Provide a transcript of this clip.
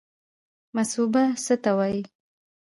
مصوبه څه ته وایي؟